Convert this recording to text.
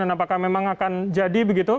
dan apakah memang akan jadi begitu